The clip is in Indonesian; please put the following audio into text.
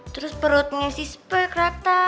terus perutnya sispek rata